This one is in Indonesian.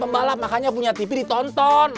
makanya punya tv ditonton